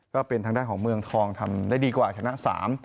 ก็เป็นทางด้านของเมืองทองทำได้ดีกว่าชนะสาม